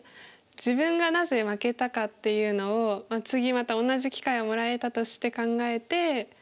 自分がなぜ負けたかっていうのを次また同じ機会をもらえたとして考えて。